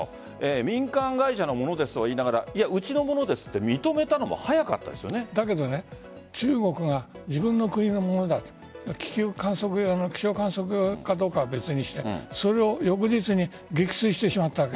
民間会社のものですと言いながらうちのものですって認めたのもだけど中国が自分の国のものだと気象観測用かは別にしてそれを翌日に撃墜してしまったわけ。